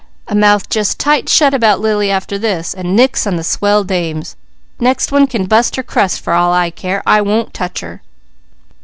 A mouth just tight shut about Lily, after this! And nix on the Swell Dames! Next one can bust her crust for all I care! I won't touch her!"